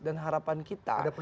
dan harapan kita